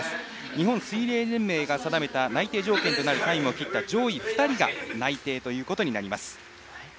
日本水泳連盟が定めた内定条件のタイムを切った上位２人が内定ということになります。